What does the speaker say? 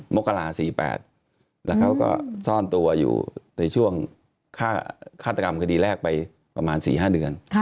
มกรา๔๘แล้วเขาก็ซ่อนตัวอยู่ในช่วงฆาตกรรมคดีแรกไปประมาณ๔๕เดือน